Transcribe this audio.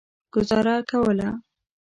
ګوزاره کوله.